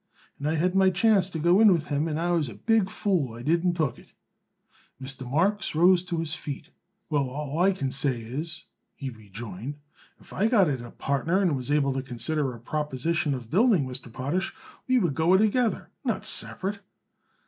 "And I had my chance to go in with him and I was a big fool I didn't took it." Mr. Marks rose to his feet. "Well, all I can say is," he rejoined, "if I got it a partner and we was to consider a proposition of building, Mr. Potash, we would go it together, not separate."